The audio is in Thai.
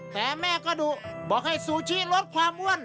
แต่แม่ก็ดุบอกให้ซูชิลดความอ้วน